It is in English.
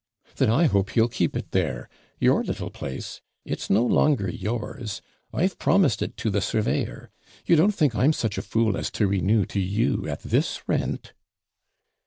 'Then I hope he'll keep it there. YOUR little place it's no longer yours; I've promised it to the surveyor. You don't think I'm such a fool as to renew to you at this rent.'